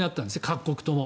各国とも。